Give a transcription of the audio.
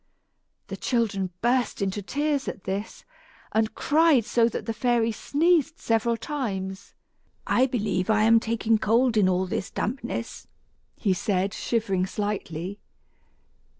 The children burst into tears at this, and cried so that the fairy sneezed several times. "I believe I am taking cold in all this dampness," he said, shivering slightly.